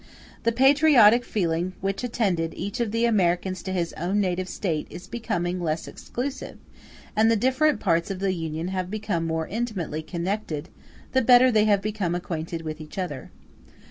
The patriotic feeling which attached each of the Americans to his own native State is become less exclusive; and the different parts of the Union have become more intimately connected the better they have become acquainted with each other.